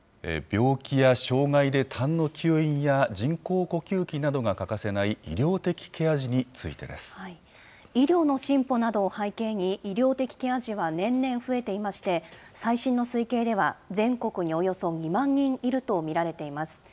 病気や障害でたんの吸引や人工呼吸器などが欠かせない医療的ケア医療の進歩などを背景に、医療的ケア児は年々増えていまして、最新の推計では、全国におよそ２万人いると見られています。